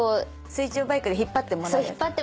水中バイクで引っ張ってもらう。